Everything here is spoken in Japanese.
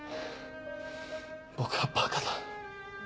僕はバカだ。